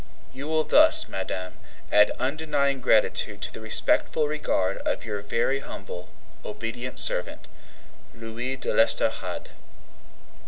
You will thus, madame, add undying gratitude to the respectful regard of Your very humble, obedient servant, LOUIS DE L'ESTORADE.